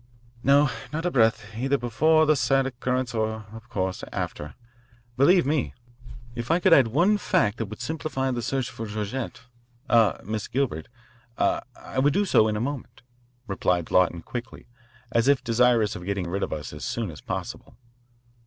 "No, not a breath, either before this sad occurrence or, of course, after. Believe me, if I could add one fact that would simplify the search for Georgette ah, Miss Gilbert ah I would do so in a moment," replied Lawton quickly, as if desirous of getting rid of us as soon as possible.